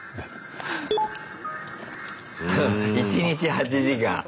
フフ１日８時間。